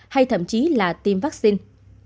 và thậm chí là tiêm vaccine